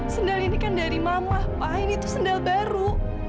sendal ini kan dari mama pak ini tuh sendal baru